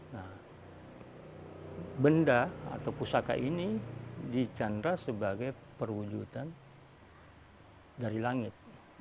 nah benda atau pusaka ini dicanda sebagai perwujudan dari langit